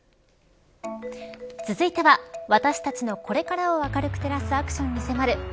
続いては私たちのこれからを明るく照らすアクションに迫る＃